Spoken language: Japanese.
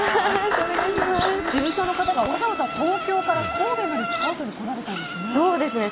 事務所の方が、わざわざ東京から神戸までスカウトに来られたんですね。